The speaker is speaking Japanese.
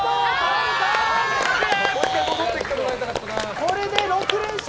これで６連勝！